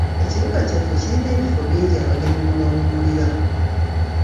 Ekibuga kyaffe kirina ebifo bingi abagenyi mwe bawummulira.